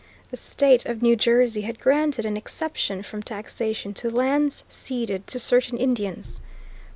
The State of New Jersey had granted an exemption from taxation to lands ceded to certain Indians.